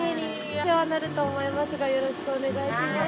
お世話になると思いますがよろしくお願いします。